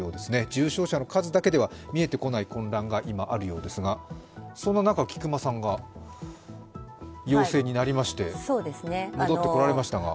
重症者の数だけでは見えてこない混乱が今あるようですが、その中、菊間さんが陽性になられて戻ってこられましたが。